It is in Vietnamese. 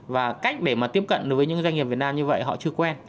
và cách để mà tiếp cận đối với những doanh nghiệp việt nam như vậy họ chưa quen